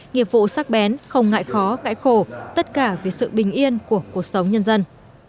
nghiệp vụ sắc bén không ngại khó ngại khổ tất cả vì sự bình yên của cuộc sống nhân dân